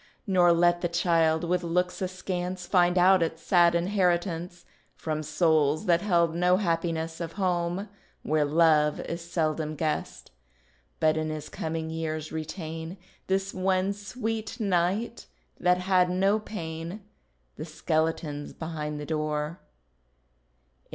Nor let the child, with looks askance, Find out its sad inheritance From souls that held no happiness, Of home, where love is seldom guest; But in his coming years retain This one sweet night that had no pain; The skeleton's behind the door.